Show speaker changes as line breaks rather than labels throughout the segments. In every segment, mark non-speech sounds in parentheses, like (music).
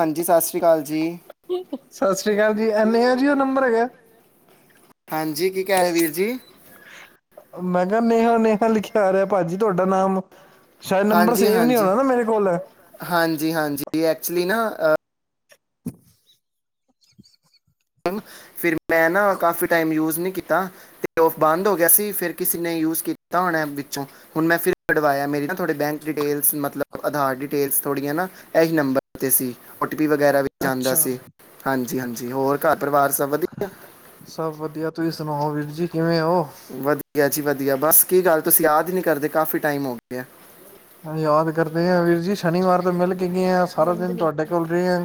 ਹਾਂਜੀ ਸਤਿ ਸ੍ਰੀ ਅਕਾਲ ਜੀ
ਸਤਿ ਸ੍ਰੀ ਅਕਾਲ ਜੀ ਅਨਿਆ ਜੀ ਉਹ ਨੰਬਰ ਹੈਗਾ
ਹਾਂਜੀ ਕੀ ਕਹਿ ਰਹੇ ਵੀਰ ਜੀ
ਮੈਂ ਕਿਹਾ ਨੇਹਾ ਨੇਹਾ ਲਿਖਿਆ ਆ ਰਿਹਾ ਭਾਜੀ ਤੁਹਾਡਾ ਨਾਮ ਸ਼ਾਇਦ ਨੰਬਰ
ਹਾਂਜੀ
ਸੇਵ ਨਹੀਂੀ
ਹਾਂਜੀ
ਹੋਣਾ ਨਾ ਮੇਰੇ ਕੋਲ
ਜੀ ਐਕਚੁਲੀ ਨਾ
(inaudible)
ਫਿਰ ਮੈਂ ਨਾ ਕਾਫੀ ਟਾਈਮ ਯੂਜ ਨਹੀਂ ਕੀਤਾ ਤੇ ਉਹ ਬੰਦ ਹੋ ਗਿਆ ਸੀ ਫਿਰ ਕਿਸੇ ਨੇ ਯੂਜ ਕੀਤਾ ਹੁਣ ਵਿੱਚੋਂ ਹੁਣ ਮੈਂ ਫਿਰਡਵਾਆ ਮੇਰੀ ਨਾ ਥੋੇ ਬੈਂਕ ਡਿਟੇਲ ਮਤਲਬ ਆਧਾਰ ਡਿਟੇਲ ਥੋੜੀਆਂ ਨਾ ਇਹੀ ਨੰਬਰ ਤੇ ਸੀ ਵਗੈਰਾ ਵੀ ਜਾਂਦਾ
ਅੱਛਾ
ਸੀ ਹਾਂਜੀ ਹਾਂਜੀ ਹੋਰ ਘਰ ਪਰਿਵਾਰ ਸਭ ਵਧੀਆ
ਇਸ ਨੂੰ ਵੀਰ ਜੀ ਕੀ
ਵਧੀਆ ਜੀ ਵਧੀਆ ਬਸ ਕੀ ਗੱਲ ਤੁਸੀਂ ਯਾਦ ਨਹੀਂ ਕਰਦੇ ਕਾਫੀ ਟਾਈਮ ਹੋ ਗਿਆ
ਯਾਦ ਕਰਦੇ ਹ ਵੀਰ ਜੀ ਸ਼ਨੀਵਾਰ ਤੋਂ ਮਿਲ ਕੇ ਗਏ ਆ ਸਾਰਾ ਦਿਨ ਤੁਹਾਡੇ ਕੋਲ ਰਹੇ ਆ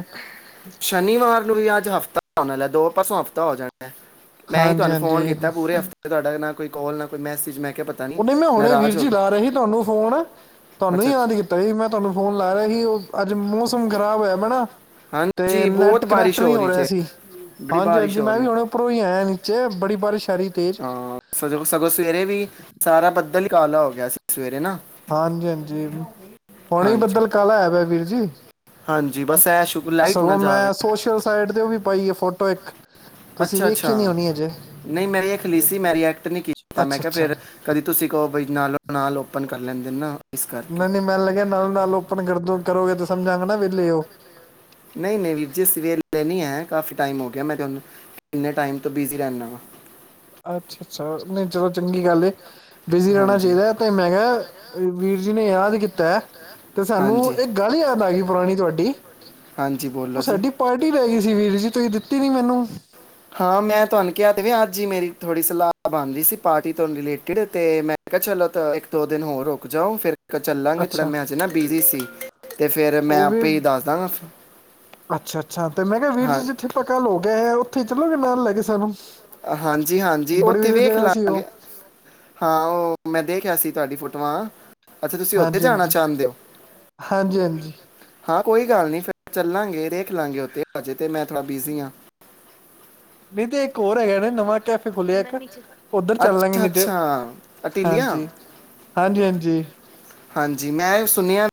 ਸ਼ਨੀਵਾਰ ਨੂੰ ਵੀ ਅੱਜ ਹਫ਼ਤਾ ਆਣਾ ਲੈ ਦੋ ਪਾਸੋਂ ਹਫ਼ਤਾ ਹੋ ਜਾਣਾ ਮੈਂ ਹੀ
ਹਾਂਜੀ
ਤੁਹਾਨੂੰ ਫੋਨ
ਹਾਂਜੀ
ਕੀਤਾ ਪੂਰੇ ਹਫ਼ਤੇ ਤੁਹਾਡਾ ਨ ਕੋਈ ਕਲ ਨਾ ਕੋਈ ਮੈਸੇਜ ਮੈਂ ਕਿਹਾ ਪਤਾ
ਉਹ ਨਹੀਂ ਮੈਂ ਹੁਣੇ ਵੀਰ
ਨਾਰਾਜ਼ ਹੋ
ਜੀ
ਗਏ
ਲਾ ਰਹੇ ਸੀ ਤੁਹਾਨੂੰ ਫੋਨ ਤੁਹਾਨੂੰ
ਅੱਛਾ
ਯਾਦ
ਅੱਛਾ।
ਕੀਤਾ ਜੀ ਮੈਂ ਤੁਹਾਨੂੰ ਫੋਨ ਲਾ ਰਹਾ ਸੀ ਉਹ ਅੱਜ ਮੌਸਮ ਖ਼ਰਾਬ ਹੋਇਆ ਮੈ ਨਾ ਤੇ
ਹਾਂਜੀ ਬਹੁਤ
ਨੈਟ ਕਨੈਕਟ
ਬਾਰਿਸ਼
ਨਹੀਂ ਹੋ
ਰਹੀ
ਰਿਹਾ
ਜੇ
ਸੀ
ਬੜੀ
ਹਾਂਜੀ
ਬਾਰਿਸ਼
ਹਾਂਜੀ
ਹੋ
ਮੈਂ
ਰਹੀ
ਵੀ
ਹੈ
ਹੁਣੇ ਉਪਰੋਂ ਹੀ ਆਇਆ ਨ ਚੇ ਬੜੀ ਬਾਰਿਸ਼ ਆ ਰਹੀ ਤੇਜ਼
ਹਾਂ ਸਗੋਂ ਸਗੋਂ ਸਵੇਰੇ ਵੀ ਸਾਰਾ ਪਤਾ ਅੱਧਲੀ ਕਾਲਾ ਹੋ ਗਿਆ ਸੀ ਸਵੇਰੇ ਨਾ
ਹਾਂਜੀ ਹਾਂਜੀ ਹੁਣੇ ਹੀ
ਹਾਂਜੀ
ਬੱਦਲ ਕਾਲ ਐ ਪ ਵੀਰ ਜੀ
ਹਾਂਜੀ ਬਸ ਐ ਸ਼ੁਕਰ ਲਾਈਟ ਨਾ
ਸਗੋਂ
ਜਾਵੇ
ਮੈਂ ਸੋਸ਼ਲ ਸਾਈਡ ਤੇ ਉਹ ਵੀ ਪਾਈਏ ਫੋਟੋ ਇੱਕ ਤੁਸੀਂ
ਅੱਛਾ
ਵੇਖੀ ਨਹੀਂ
ਅੱਛਾ
ਹੋਣੀ ਅਜੇ
ਨਹੀਂ ਮੈਂਰੀ ਖਲੀਸੀ ਮੈਂ ਐਕਟ ਨਹੀਂ ਕੀਤਾ ਮੈਂ
ਅੱਛਾ
ਕਿਹਾ
ਅੱਛਾ
ਫਿਰ ਕਦੀ ਤੁਸੀਂ ਕਹੋ ਬਈ ਨਾਲੋਂ ਨਾਲ ਓਪਨ ਕਰ ਲੈਂਦੇ ਨੇ ਨਾ ਇਸ ਕਰਕੇ
ਨ ਨੀ ਮੈਨ ਲੱਗਿਆ ਨਾਲ-ਨਾਲ ਓਪਨ ਗਰਦੀ ਕਰੋਗੇ ਤੁਸੀਂ ਸਮਝਾ (inaudible)
ਨਹੀਂ-ਨਹੀਂ ਵੀਰ ਜੀ ਸਵੇਰ ਤੇ ਨਹੀਂ ਹੈ। ਕਾਫੀ ਟਾਈਮ ਹੋ ਗਿਆ। ਮੈਂ ਤੁਹਾਨੂੰ ਕਿੰਨੇ ਟਾਈਮ ਤੋਂ ਬਿਜ਼ੀ ਰਹਿੰਣਾ ਵਾਂ।
ਅੱਛਾ-ਅੱਛਾ। ਨਹੀਂ ਚਲੋ ਚੰਗੀ ਗੱਲ ਏ ਬਿਜੀ ਰਹਿਣਾ
ਹਾਂਜੀ
ਚਾਹੀਦਾ। ਤੇ ਮੈਂ ਕਿਹਾ ਵੀਰ ਜੀ ਨੇ ਯਾਦ ਕੀਤਾ ਐ ਤੇ ਸਾਨੂੰ
ਹਾਂਜੀ
ਇਹ ਇਕ ਗੱਲ ਯਾਦ ਆ ਗਈ ਪੁਰਾਣੀ ਤੁਹਾਡੀ
ਹਾਂਜੀ ਬੋਲੋ
ਉਹ
ਜੀ
ਸਾਡੀ ਪਾਰਟੀ ਰੈ ਗਈ ਸੀ। ਜੀ ਵੀਰ ਜੀ ਤੁਸੀਂ ਦਿੱਤੀ ਨੀ ਮੈਨੂੰ।
ਹਾਂ ਮੈਂ ਤੁਹਾਨੂੰ ਕਿਹਾ ਤੇ ਵ ਅੱਜ ਹੀ ਮੇਰੀ ਥੋੜੀ ਸਲਾਹ ਬਣ ਰਹੀ ਸੀ। ਪਾਰਟੀ ਤੋਂ ਰਿਲੇਟਿਡ ਤੇ ਮੈਂ ਕਿਹਾ ਚਲੋ ਇੱਕ ਦੋ ਦਿਨ ਹੋਰ ਰੁਕ ਜਾਓ। ਫਿਰ ਚੱਲਾਂਗੇ ਥੋੜਾ
ਅੱਛਾ
ਮੈਂ ਚ ਨਾ ਬਿਜੀ ਸੀ ਤੇ ਫੇਰ ਮੈਂ ਆਪੇ ਹੀ ਦੱਸ ਦਾਂਗਾ।
ਅੱਛਾ-ਅੱਛਾ। ਤੇ ਮੈਂ ਕਿਹਾ ਵੀਰ
ਹਾਂ
ਜੀ ਜਿੱਥੇ ਤਾਂ ਕਲ ਹੋ ਗਿਆ ਹੈ। ਉੱਥੇ ਚਲੋ ਗੇ ਨਾਲ ਲੇਹ ਕੇ ਸਾਨੂੰ।
ਹਾਂਜੀ-ਹਾਂਜੀ
ਬੜੀ
ਉੱਥੇ
ਵਧੀਆ
ਵੇਖ
ਜਗ੍ਹਾ ਸੀ ਉਹ
ਲਾਂਗੇ। ਹਾਂ ਉਹ ਮੈਂ ਦੇਖਿਆ ਸੀ ਤੁਹਾਡੀ ਫੋਟੋ ਵਾਹ। ਅੱਛਾ ਤੁਸੀਂ ਉੱਥੇ ਜਾਣਾ
ਹਾਂਜੀ-ਹਾਂਜੀ,
ਚਾਹੁੰਦੇ ਹੋ।
ਹਾਂਜੀ-ਹਾਂਜੀ
ਹਾਂ ਕੋਈ ਗੱਲ ਨਹੀਂ ਫਿਰ ਚੱਲਾਂਗੇ। ਦੇਖ ਲਾਂਗੇ ਉੱਥੇ। ਹਜੇ ਤੇ ਮੈਂ ਥੋੜਾ ਬਿਜ਼ੀ ਹਾਂ।
ਨਹੀਂ ਤੇ ਇੱਕ ਹੋਰ ਹੈਗਾ ਨਵਾਂ ਕੈਫੇ ਖੋਲਿਆ ਇੱਕ ਉੱਧਰ ਚੱਲ ਲਾਂਗੇ
ਅੱਛਾ
ਨਹੀਂ ਤੇ
ਅੱਛਾ ਅਟੀਲੀਆ
ਹਾਂਜੀ-ਹਾਂਜੀ ਹਾਂਜੀ।
ਹਾਂਜੀ ਮੈਂ ਸੁਣਿਆ।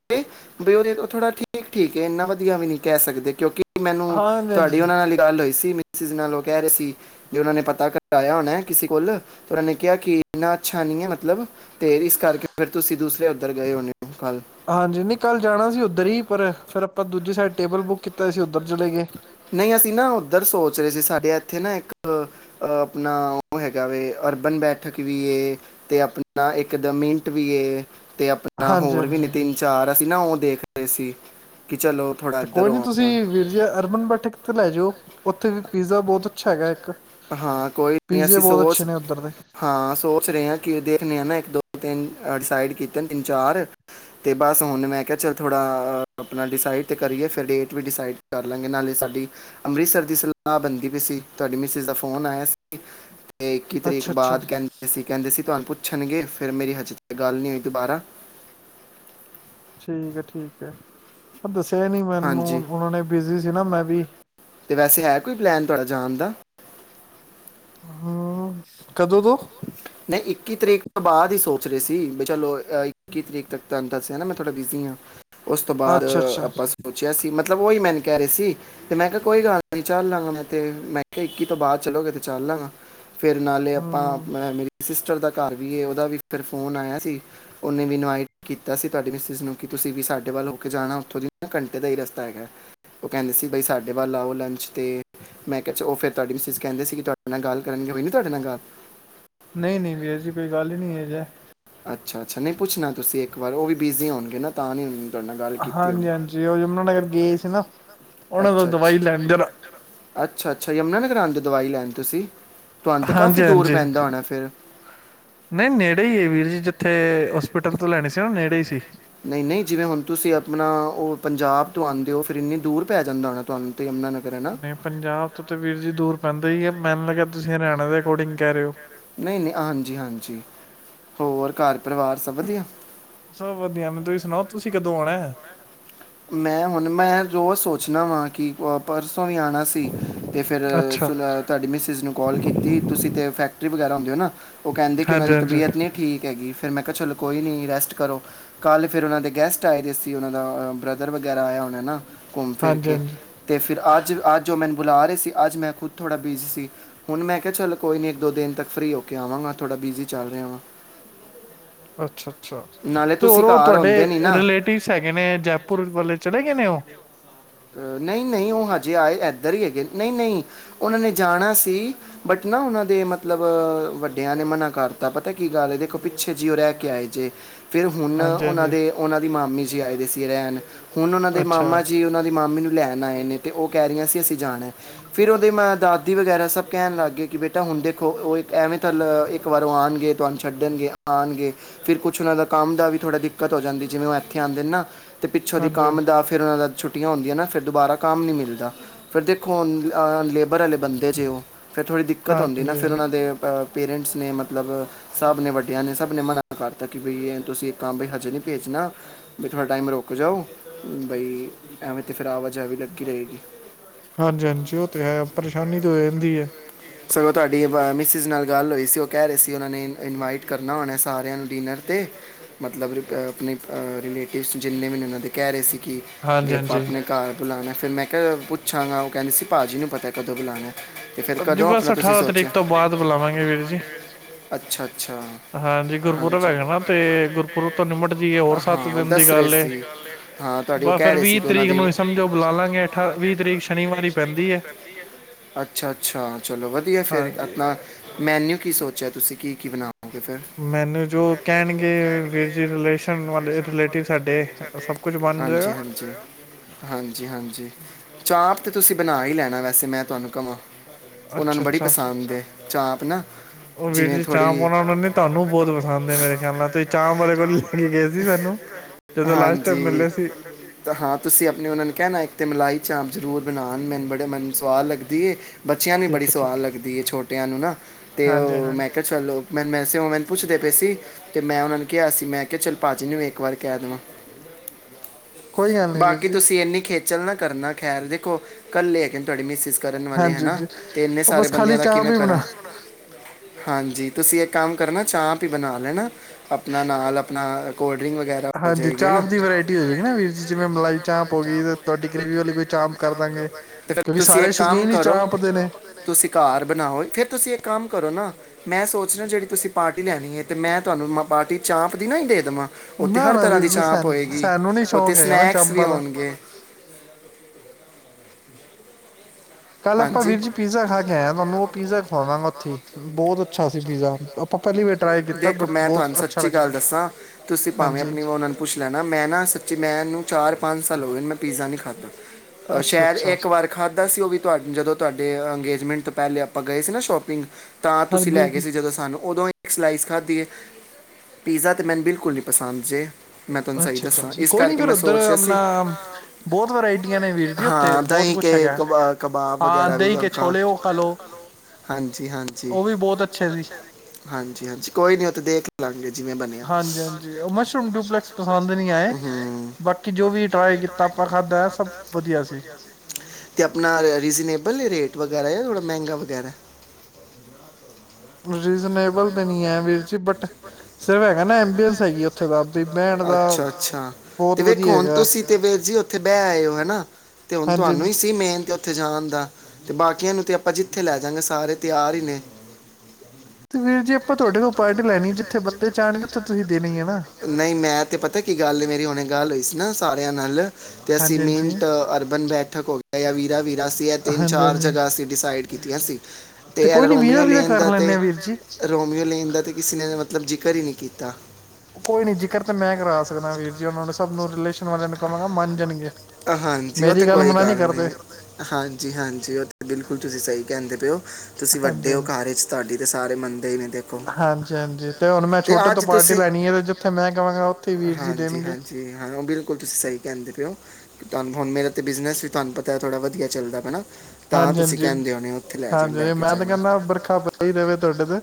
ਬਈ ਉਹਦੇ ਥੋੜਾ ਠੀਕ-ਠੀਕ ਏ ਇੰਨਾ ਵਧੀਆ ਵੀ ਨਹੀਂ ਕਹਿ ਸਕਦੇ। ਕਿਉਂਕਿ ਮੈਨੂੰ
ਹਾਂਜੀ
ਤੁਹਾਡੀ
ਹਾਂਜੀ
ਉਹਨਾਂ ਨਾਲ ਹੀ ਗੱਲ ਹੋਈ ਸੀ। ਨਾਲ ਉਹ ਕਹਿ ਰਹੇ ਸੀ। ਵੀ ਉਹਨਾਂ ਨੇ ਪਤਾ ਕਰਵਾਇਆ ਹੋਣਾ ਕਿਸੇ ਕੋਲ ਤੇ ਉਹਨਾਂ ਨੇ ਕਿਹਾ ਕਿ ਇੰਨਾ ਅੱਛਾ ਨਹੀਂ ਹੈ। ਮਤਲਬ ਤੇ ਇਸ ਕਰਕੇ ਫਿਰ ਤੁਸੀਂ ਦੂਸਰੇ ਗਏ ਹੋਣੇ ਹੋ ਕੱਲ
ਹਾਂਜੀ ਨੀ ਕੱਲ ਜਾਣਾ ਸੀ ਉੱਧਰ ਹੀ। ਪਰ ਫੇਰ ਆਪਾਂ ਦੂਜੀ ਸਾਈਡ ਟੇਬਲ ਬੁੱਕ ਕੀਤਾ ਸੀ ਉੱਧਰ ਚਲੇ ਗਏ
ਨਹੀਂ ਅਸੀਂ ਨਾ ਉੱਧਰ ਸੋਚ ਰਹੇ ਸੀ। ਸਾਡੇ ਇੱਥੇ ਨਾ ਇੱਕ ਆਪਣਾ ਉਹ ਹੈਗਾ। ਵ ਅਰਬਨ ਬੈਠਕ ਵੀ ਏ ਤੇ ਆਪਣਾ ਇੱਕ ਦ ਮਿੰਟ ਵੀ ਏ ਤੇ ਆਪਣਾ ਹੋਰ ਵੀ
ਹਾਂਜੀ-ਹਾਂਜੀ
ਨੇ ਤਿੰਨ ਚਾਰ ਅਸੀਂ ਨਾ ਉਹ ਦੇਖਦੇ ਸੀ। ਕਿ ਚਲੋ ਥੋੜਾ
ਤੇ
ਇੱਧਰ
ਕੋਈ
ਹੋ
ਨੀ
ਆਵਾਂਗੇ
ਤੁਸੀਂ ਵੀਰ ਜੀ ਅਰਬਨ ਬੈਠਕ ਤੇ ਲੇ ਜਾਓ ਉੱਥੇ ਵੀ ਪੀਜ਼ਾ ਬਹੁਤ ਅੱਛਾ ਹੈਗਾ। ਇੱਕ
ਹਾਂ ਕੋਈ ਨੀ
ਪੀਜ਼ੇ
ਅਸੀਂ
ਬਹੁਤ ਅੱਛੇ
ਸੋਚ
ਨੇ ਉੱਧਰ ਦੇ
ਹਾਂ ਸੋਚ ਰਹੇ ਹਾਂ। ਕਿ ਦੇਖਣੇ ਹਾਂ ਨਾ ਇੱਕ ਦੋ ਦਿਨ ਡਿਸਾਈਡ ਕੀਤੇ ਨੇ ਤਿੰਨ ਚਾਰ ਤੇ ਬਸ ਹੁਣ ਮੈਂ ਕਿਹਾ ਚਲ ਥੋੜ੍ਹਾ ਆਪਣਾ ਡਿਸਾਈਡ ਤਾਂ ਕਰੀਏ ਫਿਰ ਡੇਟ ਵੀ ਡਿਸਾਈਡ ਕਰ ਲਾਂਗੇ ਨਾਲੇ ਸਾਡੀ ਅੰਮ੍ਰਿਤਸਰ ਦੀ ਸਲਾਹ ਬੰਦੀ ਵੀ ਸੀ ਤੁਹਾਡੀ ਮਿਸਿਜ਼ ਫੋਨ ਆਇਆ ਸੀ। ਤੇ ਇੱਕੀ ਤਰੀਕ
ਅੱਛਾ-ਅੱਛਾ
ਬਾਅਦ ਕਹਿੰਦੇ ਸੀ ਕਹਿੰਦੇ ਸੀ ਤੁਹਾਨੂੰ ਪੁੱਛਣਗੇ। ਫਿਰ ਮੇਰੀ ਹਜੇ ਗੱਲ ਨਹੀਂ ਹੋਈ ਦੁਬਾਰਾ
ਠੀਕ ਹੈ, ਠੀਕ ਹੈ ਦੱਸ ਇਹ ਨੀ ਮੈਨੂੰ
ਹਾਂਜੀ
ਉਹਨਾਂ ਨੇ ਬਿਜੀ ਸੀ ਨਾ, ਮੈਂ ਵੀ
ਅਤੇ ਵੈਸੇ ਹੈ ਕੋਈ ਪਲੈਨ, ਤੁਹਾਡਾ ਜਾਣ ਦਾ
ਹੂੰ, ਕਦੋਂ ਤੋਂ
ਨਹੀਂ ਤਰੀਕ ਬਾਅਦ ਹੀ ਸੋਚ ਰਹੇ ਸੀ, ਵੀ ਚਲੋ ਇੱਕੀ ਤਰੀਕ ਤੱਕ ਤਾਂ ਅੰਦਰ ਸੀ, ਮੈਂ ਥੋੜ੍ਹਾ ਬਿਜ਼ੀ ਹਾਂ। ਉਸ ਤੋਂ ਬਾਅਦ,
ਅੱਛਾ-ਅੱਛਾ
ਆਪਾਂ ਸੋਚਿਆ ਸੀ ਮ ਮਤਲਬ ਓਹੀ ਮੈਨੂੰ ਕਹਿ ਰਹੇ ਸੀ ਤੇ, '' ਮੈਂ ਕਿਹਾ ਕੋਈ ਗੱਲ ਨੀ ਚੱਲ ਲਾਂਗਾ ''ਮੈਂ ਤੇ ਮੈਂ ਕਿਹਾ ਇੱਕੀ ਤੋਂ ਬਾਅਦ ਚਲੋਗੇ ਤੇ ਚੱਲ ਲਾਂਗਾ। ਫਿਰ ਨਾਲੇ ਆਪਾਂ
ਹੂੰ
ਮੇਰੀ ਸਿਸਟਰ ਦਾ ਘਰ ਵੀ ਹੈ, ਉਹਦਾ ਵੀ ਫਿਰ ਫੋਨ ਆਇਆ ਸੀ, ਉਹਨੇ ਵੀ ਇਨਵਾਈਟ ਕੀਤਾ ਸੀ, ਤੁਹਾਡੇ ਮਿਸਿਜ ਨੂੰ ਕਿ ਤੁਸੀਂ ਵੀ ਸਾਡੇ ਵੱਲ ਹੋ ਕੇ ਜਾਣਾ ਉੱਥੋਂ ਦੀ ਨਾ ਘੰਟੇ ਦਾ ਹੀ ਰਸਤਾ ਹੈਗਾ, ਉਹ ਕਹਿੰਦੇ ਸੀ ਬਈ ਸਾਡੇ ਵੱਲ ਆਓ ਲੰਚ ਤੇ ''ਮੈਂ ਕਿਹਾ ਉਹ ਫਿਰ ਤੁਹਾਡੀ ਮਿਸਿਸ ਕਹਿੰਦੇ ਸੀ ਕਿ ਤੁਹਾਡੇ ਨਾਲ ਗੱਲ ਕਰਨਗੇ ਹੋਈ ਨ ਤੁਹਾਡੇ ਨਾਲ ਗੱਲ
ਨਹੀਂ, ਨਹੀਂ ਵੀਰ ਜੀ, ਕੋਈ ਗੱਲ ਹੀ ਨਹੀਂ ਇਹੋ ਜਿਹਾ
ਅੱਛਾ-ਅੱਛਾ, ਨਹੀਂ ਪੁੱਛਣਾ ਤੁਸੀਂ ਇੱਕ ਵਾਰ ਉਹ ਵੀ ਬਿਜ਼ੀ ਹੋਣਗੇ ਨਾ, ਤਾਂ ਨੀ ਹੋਈ।
ਹਾਂਜੀ- ਹਾਂਜੀ, ਉਹ ਯਮੁਨਾ ਨਗਰ ਗਏ ਸੀ ਨਾ ਉਹਨਾ ਦਾ ਦਵਾਈ ਲੈਣ ਦੇਣ
ਅੱਛਾ-ਅੱਛਾ, ਯਮੁਨਾ ਨਗਰ ਆਂਦੇ ਓ ਦਵਾਈ ਲੈਣ ਤੁਸੀਂ ਤੁਹਾਨੂੰ ਤੇ ਕਾਫੀ ਦੂਰ
ਹਾਂਜੀ-ਹਾਂਜੀ,
ਪੈਂਦਾ ਹੋਣਾ ਫਿਰ
ਨਹੀਂ ਨੇੜੇ ਹੀ ਹੈ ਵੀਰ ਜੀ, ਜਿੱਥੇ ਉਸ ਹੋਟਲ ਤੋਂ ਲੈਣੇ ਸੀ ਨਾ, ਨੇੜੇ ਹੀ ਸੀ।
ਨਹੀਂ -ਨਹੀਂ, ਜਿਵੇਂ ਹੁਣ ਤੁਸੀਂ ਆਪਣਾ, ਉਹ ਪੰਜਾਬ ਤੋਂ ਆਦੇ ਹੋ ਫਿਰ ਇੰਨੀ ਦੂਰ ਪੈ ਜਾਂਦਾ ਹੋਣਾ ਤੁਹਾਨੂੰ ਤੇ ਯਮਨਾ ਨਗਰ ਹੈ ਨਾ
''ਮੈ ਪੰਜਾਬ ਤੋਂ ਤਾਂ ਵੀਰ ਜੀ ਦੂਰ ਪੈਂਦਾ ਹੀ ਆ, ਮੈਨੂੰ ਲੱਗਿਆ ਤੁਸੀਂ ਹਰਿਆਣਾ ਦੇ ਰੋਡਿੰਗ ਕਹਿ ਰਹੇ ਓ?
ਨਹੀਂ- ਨਹੀਂ, ਹਾਂਜੀ-ਹਾਂਜੀ, ਹੋਰ ਘਰ ਪਰਿਵਾਰ ਸਭ ਵਧੀਆ?
ਸਭ ਵਧੀਆ, ਮੈਨੂੰ ਤੁਸੀਂ ਸੁਣਾਓ? ਤੁਸੀਂ ਕਿਦੋਂ ਆਉਣਾ ਹੈ?
''ਮੈਂ ਹੁਣ ਮੈਂ ਰੋਜ਼ ਸੋਚਣਾ ਵਾ ਕਿ ਪਰ ਉਥੋਂ ਵੀ ਆਣਾ ਸੀ, ਅਤੇ ਫਿਰ
ਅੱਛਾ
ਸੁ ਤੁਹਾਡੀ ਮਿਸਿਸ ਨੂੰ ਕੋਲ ਕੀਤੀ ਤੁਸੀਂ ਤਾਂ ਫੈਕ ਟ੍ਰਪ ਵਗੈਰਾ ਹੁੰਦੇ ਹੋ ਨਾ ਉਹ ਕਹਿੰਦੇ ਕਿ, ਉਹਨਾਂ
ਹਾਂਜੀ
ਦੀ
ਹਾਂਜੀ
ਤਬੀਅਤ ਨਹੀਂ ਠੀਕ ਹੈਗੀ। ਫਿਰ ਮੈਂ ਕਿਹਾ, ਚਲ ਕੋਈ ਨਹੀਂ ਰੈਸਟ ਕਰੋ, ਕੱਲ੍ਹ ਫਿਰ ਉਹਨਾਂ ਦੇ ਗੈਸਟ ਆਏ ਦੇ ਸੀ, ਉਹਨਾਂ ਦਾ ਬ੍ਰਦਰ ਇਧਰ ਵਗੈਰਾ ਆਇਆ ਹੋਣਾ ਨਾ ਘੁੰਮ ਫਿਰ
ਹਾਂਜੀ
ਕੇ
ਹਾਂਜੀ
ਤੇ ਫਿਰ ਅੱਜ, ਅੱਜ ਜੋ ਮੈਨੂੰ ਬੁਲਾ ਰਹੇ ਸੀ, ਅੱਜ ਮੈਂ ਖੁਦ ਥੋੜ੍ਹਾ ਬਿਜ਼ੀ ਸੀ, ਹੁਣ ''ਮੈਂ ਕਿਹਾ ਚੱਲ ਕੋਈ ਨਹੀਂ, ਇੱਕ ਦੋ ਦਿਨ ਤੱਕ ਫਰੀ ਹੋ ਕੇ ਆਵਾਂਗਾ, ਥੋੜ੍ਹਾ ਬਿਜ਼ੀ ਚੱਲ ਰਿਹਾ ਵਾਂ
ਅੱਛਾ।
ਨਾਲੇ
ਅੱਛਾਲਤੇ
ਤੁਸੀਂ
ਹੋਰ ਉਹ
ਘਰ
ਤੁਹਾਡੇ
ਹੁੰਦੇ ਨਹੀਂ ਨਾ
ਰਿਲੇਟਿਵਸ ਹੈਗੇ ਨੇ, ਜੈਪੁਰ ਵਾਲੇ ਚਲੇ ਗਏ ਨੇ ਉਹ
ਅ ਨਹੀਂ, ਨਹੀਂ, ਉਹ ਹਜੇ ਆਏ ਏਧਰ ਹੀ ਹੈਗੇ, ਨਹੀਂ, ਨਹੀਂ, ਉਹਨਾਂ ਨੇ ਜਾਣਾ ਸੀ, ਬਟ ਨਾ ਉਹਨਾਂ ਦੇ ਮਤਲਬ ਵੱਡਿਆਂ ਨੇ ਮਨਾ ਕਰਤਾ, ਪਤਾ ਕੀ ਗੱਲ ਦੇਖੋ ਪਿੱਛੇ ਜੀ ਉਹ ਰਹਿ ਕੇ ਆਏ ਜੇ ਫਿਰ ਹੁਣ,
ਹਾਂਜੀ
ਉਹਨਾਂ
ਹਾਂਜੀ
ਦੇ ਉਹਨਾਂ ਦੀ ਮਾਮੀ ਜੀ, ਆਏ ਦੇ ਸੀ ਰਹਿਣ। ਹੁਣ ਉਹਨਾਂ ਦੇ
ਅੱਛਾ
ਮਾਮਾ ਜੀ ਮਾਮੀ ਨੂੰ ਲੈਣ ਆਏ ਨੇ, ਤੇ ਉਹ ਕਹਿ ਰਹੀਆਂ ਸੀ ਅਸੀਂ ਜਾਣਾ ਫਿਰ ਉਹਦੇ ਮ ਦਾਦੀ ਵਗੈਰਾ ਸਭ ਕਹਿਣ ਲੱਗ ਗਏ ਕਿ ਬੇਟਾ ਹੁਣ ਦੇਖੋ, ਉਹ ਐਵੇਂ ਤਾਂ ਇੱਕ ਵਾਰ ਉਹ ਆਉਣਗੇ ਤੁਹਾਨੂੰ ਛੱਡਣਗੇ ਆਉਣਗੇ ਫਿਰ ਕੁਛ ਉਹਨਾਂ ਦਾ ਕੰਮ ਦਾ ਵੀ ਥੋੜ੍ਹਾ ਦਿੱਕਤ ਹੋ ਜਾਂਦੀ, ਜਿਵੇਂ ਉਹ ਇੱਥੇ ਆਉਂਦੇ ਨਾ ਅਤੇ ਪਿੱਛੋਂ ਦੀ
ਹਾਂਜੀ
ਕੰਮ ਦਾ ਫਿਰ ਉਹਨਾਂ ਦਾ। ਛੁੱਟੀ ਫਿਰ ਦੁਬਾਰਾ ਕੰਮ ਨੀ ਮਿਲਦਾ ਫਿਰ ਦੇਖੋ ਹੁਣ ਲੇਬਰ ਵਾਲੇ ਬੰਦੇ ਜ ਉਹ ਫਿਰ ਥੋੜ੍ਹੀ ਦਿੱਕਤ ਹੁੰਦੀ ਨਾ
ਹਾਂਜੀ
ਫਿਰ ਉਹਨਾਂ ਦੇ ਪੇਰੈਂਟਸ ਨੇ ਮਤਲਬ ਸਭ ਨੇ ਵੱਡਿਆਂ ਨੇ ਸਭ ਨੇ ਮਨਾ ਕਰ ਦਿੱਤਾ ਕਿ ਬਈ ਤੁਸੀਂ ਇੱਕ ਕੰਮ ਹਜੇ ਨਹੀਂ ਭੇਜਣਾ ਵੀ ਥੋੜਾ ਟਾਈਮ ਰੁਕ ਜਾਓ ਬਈ ਐਵੇਂ ਤੇ ਫਿਰ ਆਵਾਜਾਈ ਵੀ ਲੱਗੀ ਰਹੇਗੀ।
ਹਾਂਜੀ ਹਾਂਜੀ ਉਹ ਤੇ ਹੈ। ਪਰੇਸ਼ਾਨੀ ਤੇ ਹੋ ਜਾਂਦੀ ਹੈ।
ਮਿਸਿਜ਼ ਨਾਲ ਗੱਲ ਹੋਈ ਸੀ ਉਹ ਕਹਿ ਰਹੇ ਸੀ ਉਹਨਾਂ ਨੇ ਇਨਵਾਈਟ ਕਰਨਾ ਉਹਨਾਂ ਸਾਰਿਆਂ ਨੂੰ ਡਿਨਰ ਤੇ ਮਤਲਬ ਆਪਣੇ ਰਿਲੇਟਿਵਸ ਜਿੰਨੇ ਵੀ ਉਹਨਾਂ ਦੇ ਕਹਿ ਰਹੇ ਸੀ ਕਿ।
ਹਾਂਜੀ
ਕੇ ਆਪਾ
ਹਾਂਜੀ
ਆਪਣੇ ਘਰ ਬੁਲਾਉਣਾ ਫਿਰ ਮੈਂ ਕਿਹਾ ਪੁ ਪੁੱਛਾਂਗਾ (inaudible) ਉਹ ਕਹਿੰਦੇ ਸੀ ਭਾਜੀ ਨੂੰ ਪਤਾ ਕਦੋਂ ਬੁਲਾਨਾ । ਤੇ ਫਿਰ
ਜੀ
ਕਦੋਂ
ਬਸ
ਆਪਣਾ ਤੁਸੀਂ
ਅਠਾਰਾਂ ਤਰੀਕ
ਸੋਚਿਆ?
ਤੋਂ ਬਾਅਦ ਬੁਲਾਵਾਂਗੇ ਵੀਰ ਜੀ
ਅੱਛਾ ਅੱਛਾ
ਹਾਂਜੀ ਗੁਰਪੁਰਬ
ਹਾਂਜੀ
ਹੈਗਾ ਨਾ ਤੇ ਗੁਰਪੁਰਬ ਤੋਂ ਨਿਮਟ ਜਾਈਏ ਹੋਰ ਸੱਤ
ਹਾਂ।
ਦਿਨ ਦੀ
ਦੱਸ ਰਹੇ
ਗੱਲ ਏ
ਸੀ। ਹਾਂ ਤੁਹਾਡੀ
ਬਸ
ਕਹਿ
ਫਿਰ
ਰਹੇ ਸੀ
ਵੀਹ
ਕਿ ਬਸ ਉਹਨਾਂ
ਤਰੀਕ
ਦੀ
ਨੂੰ ਸਮਝੋ ਬੁਲਾ ਲਾਂਗੇ ਅਠਾ ਵੀਹ ਤਰੀਕ ਸ਼ਨੀਵਾਰ ਪੈਂਦੀ ਹੈ।
ਅੱਛਾ ਚਲੋ ਵਧੀਆ ਫਿਰ
ਹਾਂਜੀ
ਆਪਣਾ ਮੈਨਿਊ ਕੀ ਸੋਚ ਅੱਛ ਤੁਸੀਂ ਕੀ ਕੀ ਬਣਾ
ਮੈਨੂੰ ਜੋ ਕਹਿਣਗੇ ਵੀਰ ਜੀ ਰਿਲੇਸ਼ਨ ਵਾਲੇ ਰਿਲੇਟਿਵ ਸਾਡੇ ਸਭ ਕੁਛ ਬਣ
ਹਾਂਜੀ
ਜਾਏਗਾ।
ਹਾਂਜੀ ਹਾਂਜੀ ਹਾਂਜੀ। ਚਾਪ ਤੇ ਤੁਸੀਂ ਬਣਾ ਹੀ ਲੈਣਾ। ਵੈਸੇ ਮੈਂ ਤੁਹਾਨੂੰ ਕਵਾਂ।
ਅੱਛਾ ਅੱਛਾ
ਚਾਂਪ ਨਾ
ਉਹ ਵੀਰ
ਜਿਵੇਂ
ਜੀ ਚਾਪ
ਥੋੜੀ
ਉਹਨਾਂ ਨੂੰ ਨਹੀਂ ਤੁਹਾਨੂੰ ਬਹੁਤ ਪਸੰਦ ਹੈ। ਮੇਰੇ ਖਿਆਲ ਨਾਲ ਤੁਸੀਂ ਚਾਪ ਵਾਲੇ ਕੋਲ ਲੈ ਕੇ ਗਏ ਸੀ ਸਾਨੂੰ ਜਦੋਂ ਲਾਸਟ ਟਾਈਮ
ਹਾਂਜੀ
ਮਿਲੇ ਸੀ।
ਤਾਂ ਹਾਂ ਤੁਸੀਂ ਆਪਣੇ ਉਹਨਾਂ ਨੂੰ ਕਹਿਣਾ ਇੱਕ ਤਾਂ ਮਲਾਈ ਚਾਪ ਜ਼ਰੂਰ ਬਣਾਉਣ ਮੈਨੂੰ ਬੜੇ ਮਨ ਸਵਾਦ ਲੱਗਦੀ ਹੈ। ਬੱਚਿਆਂ ਨੂੰ ਬੜੀ
ਠੀਕ ਹੈ ਠੀਕ
ਸਵਾਦ ਲੱਗਦੀ ਹੈ। ਛੋਟਿਆਂ ਨੂੰ ਨਾ ਤੇ ਉਹ
ਹਾਂਜੀ-ਹਾਂਜੀ,
ਮੈਂ ਕਿਹਾ ਚਲੋ ਮੇਨੂੰ ਵੈਸੇ ਉਹ ਮੈਨੂੰ ਪੁੱਛਦੇ ਪਏ ਸੀ। ਤੇ ਮੈਂ ਉਹਨਾਂ ਨੂੰ ਕਿਹਾ ਸੀ ਮੈਂ ਕਿਹਾ ਚੱਲ ਭਾਜੀ ਨੂੰ ਵੀ ਇੱਕ ਵਾਰ ਕਹਿ ਦੇਵਾਂ।
ਕੋਈ ਗੱਲ ਨੀ ਵੀਰ
ਬਾਕੀ
ਜੀ,
ਤੁਸੀਂ ਇੰਨੀ ਖੇ ਖੇਚੱਲ ਨਾ ਕਰਨਾ ਖੈਰ ਦੇਖੋ ਕੱਲੇ ਹੈਗੇ ਨੇ ਤੁਹਾਡੇ ਮਿਸੀਸ। ਕਰਨ ਵਾਲੇ ਹੈ ਨਾ
ਹਾਂਜੀ-ਹਾਂਜੀ
ਤੇ ਇੰਨੇ
ਉਹ
ਸਾਰੇ
ਬਸ
ਬੰਦਿਆਂ
ਖਾਲੀ
ਦਾ
ਚਾਂਪ
ਕਿਵੇਂ
ਵੀ ਬਣਾ
ਕਰਨ? ਹਾਂਜੀ ਤੁਸੀਂ ਇੱਕ ਕੰਮ ਕਰਨਾ ਚਾਪ ਹੀ ਬਣਾ ਲੈਣ ਆਪਣਾ ਨਾਲ ਆਪਣਾ ਕੋਲਡਰਿੰਕ ਵਗੈਰਾ ਹੋ
ਹਾਂਜੀ
ਜਾਏਗੀ ਨਾ
ਚਾਂਪ ਦੀ ਵਰਾਇਟੀ ਹੋ ਜਾਏਗੀ ਨਾ ਵੀਰ ਜੀ ਜਿਵੇਂ ਮਲਾਈ ਚਾਂਪ ਹੋ ਗਈ ਤੇ ਤੁਹਾਡੀ ਗ੍ਰੇਵੀ ਵਾਲੀ ਕੋਈ ਚਾਂਪ ਕਰ ਦਾਂਗੇ।
ਫਿਰ
ਕਿਉਂਕਿ
ਤੁਸੀਂ
ਸਾਰੇ
ਇੱਕ ਕੰਮ
ਸ਼ੌਕੀਨ ਹੀ
ਕਰੋ
ਚਾਂਪ ਦੇ ਨੇ
ਤੁਸੀਂ ਘਰ ਬਣਾਓ ਫੇਰ ਤੁਸੀਂ ਇੱਕ ਕੰਮ ਕਰੋ ਨਾ। ਮੈਂ ਸੋਚਣਾ ਜਿਹੜੀ ਤੁਸੀਂ ਪਾਰਟੀ ਲੈਣੀ ਹੈ। ਤੇ ਮੈਂ ਤੁਹਾਨੂੰ ਮੈਂ ਪਾਰਟੀ ਚਾਂਪ ਦੀ ਨਾ ਹੀ ਦੇ ਦੇਵਾਂ। ਉੱਥੇ ਹਰ
ਨਾ-ਨਾ
ਤਰ੍ਹਾਂ
ਵੀਰ
ਦੀ
ਜੀ
ਚਾਂਪ
ਸਾਨੂੰ
ਹੋਏਗੀ।
ਸਾਨੂੰ ਨੀ
ਉੱਥੇ
ਸ਼ੌਕ ਹੈਗਾ ਨਾ
ਸਨੈਕਸ ਵੀ
ਚਾਂਪਾਂ ਦਾ
ਹੋਣਗੇ।
ਕੱਲ ਆਪਾਂ
ਹਾਂਜੀ
ਵੀਰ ਜੀ ਪੀਜ਼ਾ ਖਾ ਕੇ ਆਏ ਆ, ਤੁਹਾਨੂੰ ਉਹ ਪੀਜ਼ਾ ਖਵਾਵਾਂਗਾ ਉੱਥੇ ਹੀ ਬਹੁਤ ਅੱਛਾ ਸੀ ਪੀਜ਼ਾ ਆਪਾਂ ਪਹਿਲੀ ਵਾਰ ਟਰਾਈ ਕੀਤਾ
ਦੇਖੋ
ਬਟ
ਮੈਂ
ਬਹੁਤ
ਤੁਹਾਨੂੰ
ਅੱਛਾ
ਸੱਚੀ
ਲੱਗਿਆ
ਗੱਲ ਦੱਸਾਂ ਤੁਸੀਂ ਭਾਵੇਂ
ਹਾਂਜੀ
ਆਪਣੀ ਉਹਨਾਂ ਨੂੰ ਪੁੱਛ ਲੈਣਾ ਮੈਂ ਨਾ ਸੱਚੀ ਮੈਂਨੂੰ ਚਾਰ ਪੰਜ ਸਾਲ ਹੋ ਗਏਂ ਮੈਂ ਪੀਜ਼ਾ ਨਹੀਂ ਖਾਦਾ। ਸ਼ਾਇਦ
ਅੱਛਾ-ਅੱਛਾ
ਇੱਕ ਵਾਰ ਖਾਧਾ ਸੀ ਉਹ ਵੀ। ਜਦੋਂ ਤੁਹਾਡੇ ਅੰਗੇਜਮੈਂਟ ਤੋਂ ਪਹਿਲੇ ਆਪਾਂ ਗਏ ਸੀ ਨਾ ਸ਼ੋਪਿੰਗ ਤਾਂ ਤੁਸੀਂ ਲੈ ਗਏ
ਹਾਂਜੀ-ਹਾਂਜੀ,
ਸੀ ਜਦੋਂ ਸਾਨੂੰ ਉਦੋਂ ਹੀ ਇੱਕ ਸਲਾਈਸ ਖਾਧੀ ਏ ਪੀਜ਼ਾ ਤੇ ਮੈਨੂੰ ਬਿਲਕੁਲ ਨੀ ਪਸੰਦ ਜੇ ਮੈਂ ਤੁਹਾਨੂੰ ਸਹੀ
ਅੱਛਾ-ਅੱਛਾ
ਦੱਸਾਂ ਇਸ
ਕੋਈ ਨੀ
ਕਰਕੇ
ਫੇਰ
ਮੈਂ
ਉੱਧਰ
ਸੋਚ ਰਿਹਾ ਸੀ
ਆਪਣਾ ਬਹੁਤ ਵਰਾਇਟੀਆਂ ਨੇ ਵੀਰ ਜੀ ਉੱਥੇ
ਹਾਂ
ਬਹੁਤ
ਦਹੀਂ
ਕੁਛ
ਕੇ
ਹੈਗਾ।
ਕਬਾ ਕਬਾਬ
ਹਾਂ
ਵਗੈਰਾ ਵੀ
ਦਹੀਂ ਕੇ ਛੋਲੇ ਉਹ ਖਾ ਲੋ
ਹਾਂਜੀ-ਹਾਂਜੀ-ਹਾਂਜੀ
ਉਹ ਵੀ ਬਹੁਤ ਅੱਛੇ ਸੀ
ਹਾਂਜੀ ਕੋਈ ਨੀ ਉਥੇ ਦੇਖ ਲਾਂਗੇ ਜਿ ਬਣਯਾ
ਹਾਂਜੀ ਹਾਂਜੀ ਉਹ ਮਸ਼ਰੂਮ ਡੁਪਲੈਕਸ ਪਸੰਦ ਨਹੀਂ ਆਏ
ਹਮ
ਬਾਕੀ ਜੋ ਵੀ ਟਰਾਈ ਕੀਤਾ ਆਪਾਂ ਖਾਧਾ ਹੈ ਸਭ ਵਧੀਆ ਸੀ
ਤੇ ਅਪ ਰੀਜ਼ਨੇਬਲ ਏ ਰੇਟ ਵਗੈਰਾ ਤਾਂ ਮਹਿੰਗਾ ਵਗੈਰਾ
ਰੀਜ਼ਨੇਬਲ ਤੇ ਨੀ ਹੈ ਵੀਰ ਜੀ ਬਟ ਸੇਵੈ ਮੈਂ ਨਾ ਐਂਮਬੀਅਸ ਹੈਗੀ ਉੱਥੇ ਦਾ ਵੀ ਬਹਿਣ ਦਾ
ਅੱਛਾ-ਅੱਛਾ ਤੇ
ਬਹੁਤ ਵਧੀਆ
ਵੇਖੋ ਹੁਣ
ਹੈਗਾ
ਤੁਸੀਂ ਤੇ ਵੀਰ ਜੀ ਉੱਥੇ ਬਹਿ ਆਏ ਹੋ ਹਨਾ ਤੇ ਹੁਣ
ਹਾਂਜੀ
ਤੁਹਾਨੂੰ
ਹਾਂਜੀ
ਹੀ ਸੀ ਮੇਨ ਤੇ ਉੱਥੇ ਜਾਣ ਦਾ ਤੇ ਬਾਕੀਆਂ ਨੂੰ ਤੇ ਆਪਾਂ ਜਿੱਥੇ ਲੈ ਜਾਗੇ ਸਾਰੇ ਤਿਆਰ ਹੀ ਨੇ
ਤੇ ਵੀਰ ਜੀ ਆਪਾਂ ਤੁਹਾਡੇ ਕੋਲ ਪਾਰੰਟੀ ਲੈਣੀ ਜਿੱਥੇ ਬੰਦੇ ਜਾਣਗੇ ਉੱਥੇ ਤੁਸੀਂ ਦੇਣੀ ਏ ਨਾ
ਨਹੀਂ ਮੈਂ ਤੇ ਪਤਾ ਕੀ ਗੱਲ ਮੇਰੀ ਹੁਣੇ ਗੱਲ ਹੋਈ ਸੀ ਨਾ ਸਾਰਿਆਂ ਨਾਲ ਤੇ ਅਸੀਂ
ਹਾਂਜੀ ਹਾਂਜੀ
ਮਿੰਟ ਅਰਬਨ ਬੈਠਕ ਹੋ ਗਿਆ ਜਾਂ ਵੀਰਾ-ਵੀਰਾ ਸੀ ਇਹ ਤਿੰਨ
ਹਾਂਜੀ
ਚਾਰ
ਹਾਂਜੀ
ਜਗ੍ਹਾ ਅਸੀਂ ਡਿਸਾਈਡ ਕੀਤੀਆਂ ਸੀ ਤੇ ਇਹ
ਕੋਈ ਨੀ ਵੀਰਾ
ਰੋਮੀਓ
ਵੀਰਾ
ਲੇਨ
ਕਰ
ਦਾ
ਲੈਂਦੇ
ਤੇ
ਆ ਵੀਰ ਜੀ
ਰੋਮੀਓ ਲੇਨ ਦਾ ਤੇ ਕਿਸੇ ਨੇ ਮਤਲਬ ਜ਼ਿਕਰ ਹੀ ਨਹੀਂ ਕੀਤਾ
ਕੋਈ ਨੀ ਜਿਕਰ ਤੇ ਮੈਂ ਕਰਵਾ ਸਕਦਾ ਵੀਰ ਜੀ ਉਹਨਾਂ ਨੇ ਸਭ ਨੂੰ ਰਿਲੇਸ਼ਨ ਮੈ ਉਨ੍ਹਾਂ ਨੂ ਕਹਵਾਂਗਾ ਮਣ ਜਾਣਗੇ
ਹਾਂਜੀ ਉਹ
ਮੇਰੀ
ਤੇ ਕੋਈ
ਮਨਾ
ਗੱਲ
ਕਰਦੇ
ਨਹੀਂ ਹਾਂਜੀ-ਹਾਂਜੀ ਉਹ ਤੇ ਬਿਲਕੁਲ ਫੁਲ ਤੁਸੀਂ ਸਹੀ ਕਹਿੰਦੇ ਪੇ ਹੋ ਤੁਸੀਂ
ਹਾਂਜੀ
ਵੱਡੇ ਹੋ
ਹਾਂਜੀ
ਘਾਰ ਚ ਤੁਹਾਡੀ ਤੇ ਸਾਰੇ ਮੰਨਦੇ ਹੀ ਨੇ ਦੇਖੋ
ਹਾਂਜੀ ਹਾਂਜੀ ਹੁਣ ਮੈਂ
ਤੇ
ਛੋਟੇ ਤੋਂ
ਅੱਜ
ਪਾਰਟੀ
ਤੁਸੀਂ
ਲੈਣੀ ਹੈ ਤੇ ਜਿੱਥੇ ਮੈਂ ਕਹਾਂਗਾ ਉੱਥੇ ਵੀਰ ਜੀ ਦੇਣਗੇ
ਹਾਂਜੀ-ਹਾਂਜੀ ਹਾਂ ਉਹ ਬਿਲਕੁਲ ਤੁਸੀਂ ਸਹੀ ਕਹਿੰਦੇ ਪ ਹੋ ਤੁਹਾਨੂੰ ਹੁਣ ਮੇਰੇ ਤੇ ਬਿਜ਼ਨਸ ਵੀ ਤੁਹਾਨੂੰ ਪਤਾ ਥੜਾ ਵਧੀਆ ਚੱਲਦਾ ਪਯਾ ਨਾ ਤਾਂ
ਹਾਂਜੀ
ਤੁਸੀਂ
ਹਾਂਜੀ
ਕਹਿੰਦੇ ਹੋਣੇ ਉੱਥੇ ਲੈ ਜਾ ਲੈ
ਹਾਂਜੀ
ਕੇ
ਮੈਂ ਤਾਂ
ਜਾਣਾ
ਕਹਿੰਦਾ ਬਰਖਾ ਪਈ ਰਵੇ ਤੁਹਾਡੇ ਤੇ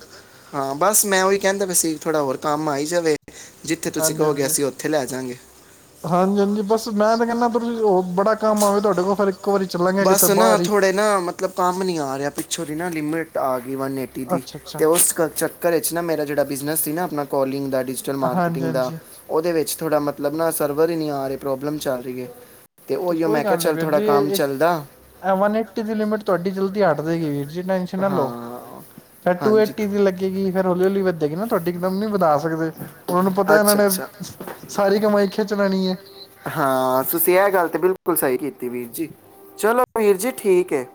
ਹਾਂ ਬਸ ਮੈਂ ਉਹੀ ਕਹਿੰਦਾ ਪਯਾ ਸੀ ਥੋੜ੍ਹਾ ਹੋਰ ਕੰਮ ਆਈ ਜਾਵੇ ਜਿੱਥੇ ਤੁਸੀਂ ਕਹੋਗੇ
ਹਾਂਜੀ-ਹਾਂਜੀ,
ਅਸੀਂ ਉੱਥੇ ਲੈ ਜਾਾਂਗੇ
ਹਾਂਜੀ-ਹਾਂਜੀ ਬਸ ਮੈਂ ਤੇ ਕਹਿੰਣਾ ਤੁਸੀਂ ਉਹ ਬੜਾ ਕੰਮ ਆਵੇ ਤੁਹਾਡੇ ਕੋਲ ਫਿਰ ਵਾਰੀ ਚੱਲਾਂਗੇ
ਬਸ
ਕਿਤੇ
ਨਾ
ਬਾਹਰ ਹੀ
ਥੋੜੇ ਨਾ ਮਤਲਬ ਕੰਮ ਨੀ ਆ ਰਿਹਾ ਪਿੱਛੋਂ ਦੀ ਨਾ ਲਿਮਿਟ ਆ ਵਨ ਏਟੀ ਦੀ
ਅੱਛਾ ਅੱਛਾ
ਉਸ ਚੱਕਰ ਚ ਮੇਰਾ ਜਿੜਾ ਬਿਜ਼ਨਸ ਸੀ ਨਾ ਆਪਨਾ ਕਲਿੰਗ ਦੈਟ ਡਿਜੀਟਲ
ਹਾਂਜੀ
ਮਾਰਕੀਟਿੰਗ ਦਾ
ਹਾਂਜੀ
ਉਹਦੇ ਚ ਥੋੜਾ ਮਤਲਬ ਨਾ ਸਰਵਰ ਹੀ ਨਹੀਂ ਆ ਰਹਾ ਪ੍ਰੋਬਲਮ ਚੱਲ ਰਹੀ ਹੈ ਤੇ ਉਓ
ਕੋਈ
ਮੈਂ ਕਿਹਾ
ਗੱਲ ਨੀ
ਚੱਲ
ਵੀਰ
ਥੋੜਾ
ਜੀ
ਕੰਮ ਚੱਲਦਾ
ਵਨ ਏਟੀ ਦੀ ਲਿਮਿਟ ਤੁਹਾਡੀ ਜਲਦੀ ਹਟ ਦੇਗੀ ਵੀ ਟੈਂਸ਼ਨ ਨਾ ਲਓ
ਹਾਂ
ਫਿਰ ਟੂ
ਹਾਂਜੀ
ਏਟੀ ਦੀ ਲੱਗੇਗੀ ਫੇਰ ਹੌਲੀ ਹੌਲੀ ਵ ਨਾ ਤੁਹਾਡੀ ਇੱਕਦਮ ਨੀ ਵਦਾ ਸਕਦੇ ਉਹਨਾਂ ਨੂੰ ਪਤਾ ਇਹਨਾਂ
ਅੱਛਾ
ਨੇ
ਅੱਛਾ
ਸਾਰੀ ਕਮਾਈ ਖਿੱਚ ਲਣੀ ਹੈ
ਹਾਂ ਤੁਸੀਂ ਇਹ ਤੇ ਗੱਲ ਬਿਲਕੁਲ ਸਹੀ ਕੀਤੀ ਵੀਰ ਜੀ ਚਲੋ ਵੀਰ ਜੀ ਠੀਕ ਹੈ